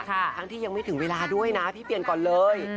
ทั้งที่ยังไม่ถึงเวลาด้วยนะพี่เปลี่ยนก่อนเลย